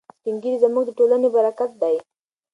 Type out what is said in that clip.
سپین ږیري زموږ د ټولنې برکت دی.